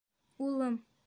Улым!